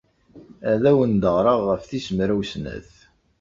Ad awent-d-ɣreɣ ɣef tis mraw snat.